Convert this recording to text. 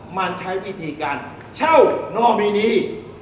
มันใช้วิธีการเช่านอมินี